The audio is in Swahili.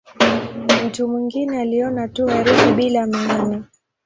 Mtu mwingine aliona tu herufi bila maana.